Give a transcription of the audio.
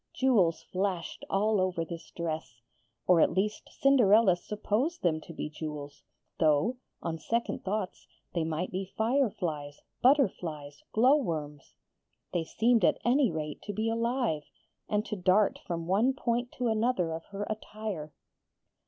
Jewels flashed all over this dress or at least Cinderella supposed them to be jewels, though, on second thoughts, they might be fireflies, butterflies, glowworms. They seemed at any rate to be alive, and to dart from one point to another of her attire.